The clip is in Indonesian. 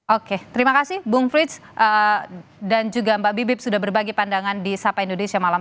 oke terima kasih bung frits dan juga mbak bibip sudah berbagi pandangan di sapa indonesia malam